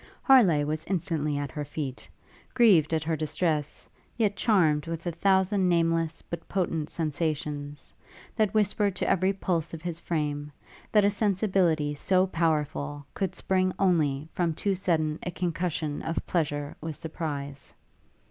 Harleigh was instantly at her feet; grieved at her distress, yet charmed with a thousand nameless, but potent sensations, that whispered to every pulse of his frame, that a sensibility so powerful could spring only from too sudden a concussion of pleasure with surprise.